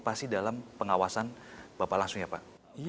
pasti dalam pengawasan bapak langsung ya pak